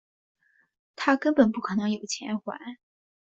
他根本不可能有钱还